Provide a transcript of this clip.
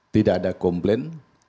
tidak ada komplain